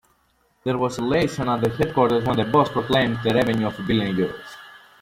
There was elation at the headquarters when the boss proclaimed the revenue of a billion euros.